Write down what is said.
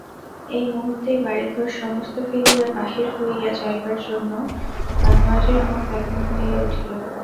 এই মুহূর্তেই বাড়িঘর সমস্ত ফেলিয়া বাহির হইয়া যাইবার জন্য বনোয়ারির মন ব্যাকুল হইয়া উঠিল।